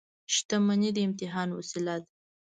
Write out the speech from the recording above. • شتمني د امتحان وسیله ده.